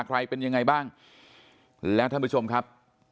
ใครเป็นยังไงบ้างและท่านผู้ชมครับ